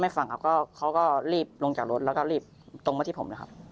ฟังครับก็เขาก็รีบลงจากรถแล้วก็รีบตรงมาที่ผมเลยครับ